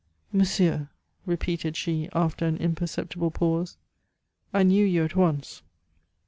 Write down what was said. "Monsieur," repeated she, after an imperceptible pause, "I knew you at once."